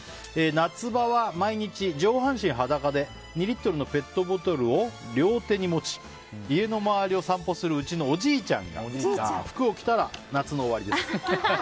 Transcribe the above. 夏場は毎日、上半身裸で２リットルのペットボトルを両手に持ち家の周りを散歩するうちのおじいちゃんが服を着たら夏の終わりです。